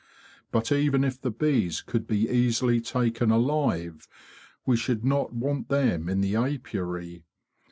But even if the bees could be easily taken alive, we should not want them in the apiary.